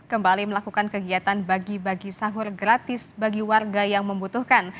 kembali melakukan kegiatan bagi bagi sahur gratis bagi warga yang membutuhkan